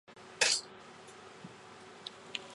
香藜是苋科藜属的植物。